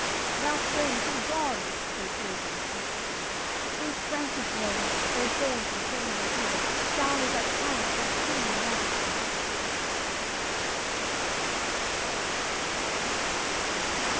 "Now, friend, begone!" say pagans, each to each; "These Frankish men, their horns we plainly hear Charle is at hand, that King in Majesty."